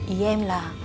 ý em là